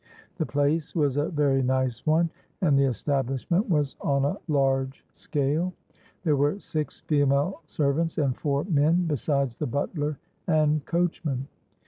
The place was a very nice one; and the establishment was on a large scale. There were six female servants, and four men, besides the butler and coachman.